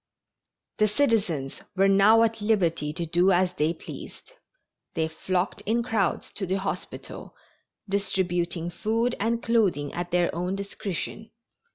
The citizens were now at liberty to do as they pleased. They flocked in crowds to the hospital, distributing food and clothing at their own discretion.